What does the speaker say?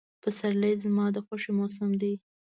پسرلی زما د خوښې موسم دی.